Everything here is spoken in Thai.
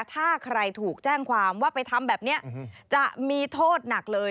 ถ้าใครถูกแจ้งความว่าไปทำแบบนี้จะมีโทษหนักเลย